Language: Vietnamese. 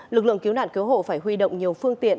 lực lượng cứu nạn cứu hộ phải huy động nhiều phương tiện